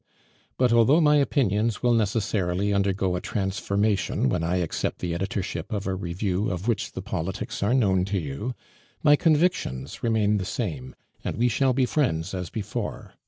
But although my opinions will necessarily undergo a transformation when I accept the editorship of a review of which the politics are known to you, my convictions remain the same, and we shall be friends as before.